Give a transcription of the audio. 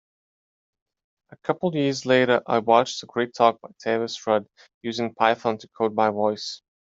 A couple years later I watched a great talk by Tavis Rudd, Using Python to Code by Voice.